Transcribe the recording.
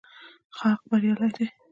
حق بريالی دی